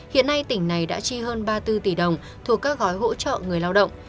hiện nay tỉnh này đã chi hơn ba mươi bốn tỷ đồng thuộc các gói hỗ trợ người lao động